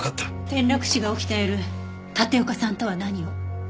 転落死が起きた夜立岡さんとは何を？